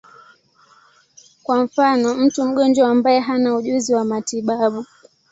Kwa mfano, mtu mgonjwa ambaye hana ujuzi wa matibabu.